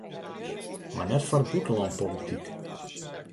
Mar net foar bûtenlânpolityk.